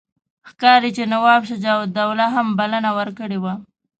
ښکاري چې نواب شجاع الدوله هم بلنه ورکړې وه.